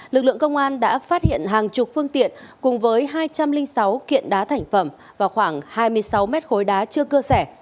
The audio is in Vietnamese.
lực lượng công an đã phát hiện hàng chục phương tiện cùng với hai trăm linh sáu kiện đá thành phẩm và khoảng hai mươi sáu mét khối đá chưa cơ sẻ